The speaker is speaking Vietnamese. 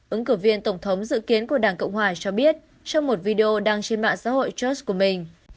ứng cử viên tổng thống dự kiến của đảng cộng hòa cho biết trong một video đăng trên mạng xã hội trass của mình